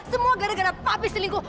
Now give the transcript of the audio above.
semua gara gara papi selingkuh